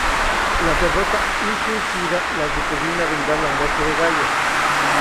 La derrota infligida las determina vengar la muerte de Gaia.